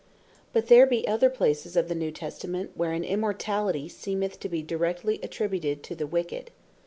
But there be other places of the New Testament, where an Immortality seemeth to be directly attributed to the wicked.